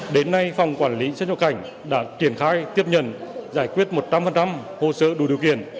đến nay phòng quản lý xuất nhập cảnh đã triển khai tiếp nhận giải quyết một trăm linh hồ sơ đủ điều kiện